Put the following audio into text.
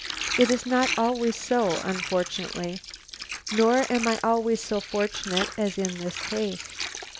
It is not always so, unfortunately nor am I always so fortunate as in this case."